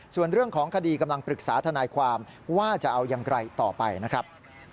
ส่วนเรื่องของคดีกำลังปรึกษาทนายความว่าจะเอาอย่างไรต่อไปนะครับ